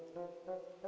kena tidur ya